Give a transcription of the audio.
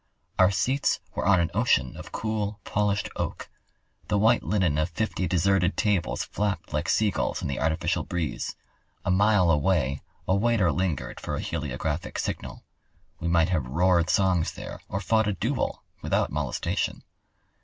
Our seats were on an ocean of cool, polished oak; the white linen of fifty deserted tables flapped like seagulls in the artificial breeze; a mile away a waiter lingered for a heliographic signal—we might have roared songs there or fought a duel without molestation.